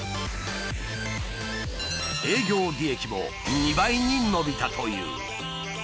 営業利益も２倍に伸びたという。